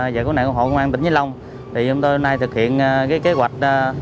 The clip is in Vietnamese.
và cứu nạn cứu hộ công an tỉnh vĩnh long thì chúng tôi hôm nay thực hiện kế hoạch